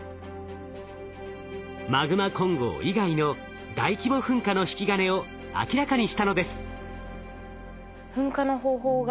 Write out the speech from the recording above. マグマ混合以外の大規模噴火の引き金を明らかにしたのです。